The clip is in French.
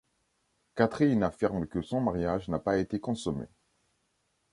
Catherine affirme que son mariage n'a pas été consommé.